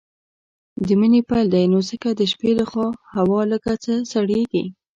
د مني پيل دی نو ځکه د شپې لخوا هوا لږ څه سړييږي.